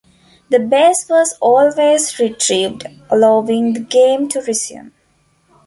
The base was always retrieved, allowing the game to resume.